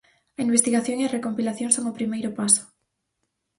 A investigación e a recompilación son o primeiro paso.